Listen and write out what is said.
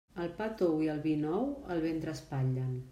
El pa tou i el vi nou el ventre espatllen.